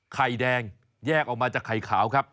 ไข่แดงแยกออกมาจากไข่ขาวครับ